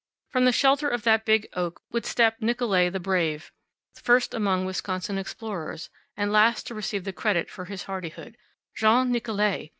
From the shelter of that big oak would step Nicolet, the brave, first among Wisconsin explorers, and last to receive the credit for his hardihood. Jean Nicolet!